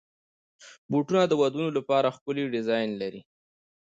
بوټونه د ودونو لپاره ښکلي ډیزاین لري.